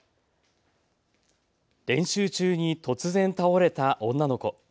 練習中に突然倒れた女の子。